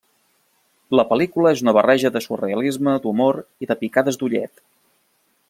La pel·lícula és una barreja de surrealisme, d'humor i de picades d'ullet.